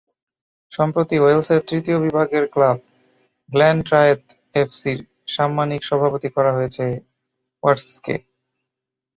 সম্প্রতি ওয়েলসের তৃতীয় বিভাগের ক্লাব গ্ল্যানট্রায়েথ এফসির সাম্মানিক সভাপতি করা হয়েছে ওয়াটসকে।